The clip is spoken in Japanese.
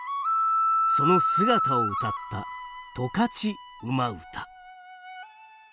その姿をうたった「十勝馬唄」。